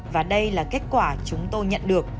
và đây là kết quả chúng tôi nhận được